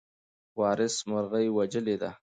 وارث مرغۍ وژلې ده.